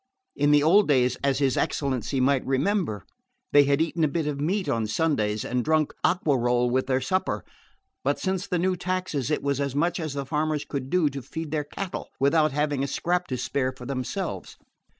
In the old days, as his excellency might remember, they had eaten a bit of meat on Sundays, and drunk aquarolle with their supper; but since the new taxes it was as much as the farmers could do to feed their cattle, without having a scrap to spare for themselves.